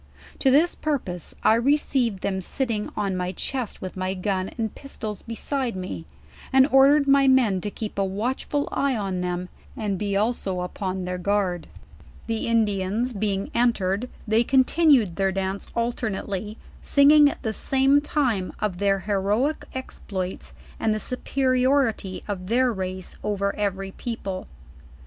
To this pur pose, I received them sitting on my chest with my gun and pistols beside me, and ordered rny men to keep a watchful eye on them and be also upon thuir guard . "The Indians being entered they continued their dance alternately, singing at the same time of their heroic exploits, and the superiority of their race over every people.